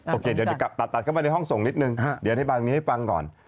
โอเคเดี๋ยวตัดเข้ามาในห้องส่งนิดนึงเดี๋ยวอธิบายตรงนี้ให้ฟังก่อน